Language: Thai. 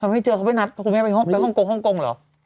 ถามไม่เห็นเขาไปนัดเมื่อไปห้องกงห้องกงเหรอ